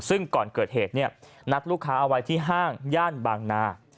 ซึ่งก่อนเกิดเหตุนัดลูกค้าเอาไว้ที่ห้างย่านบางนา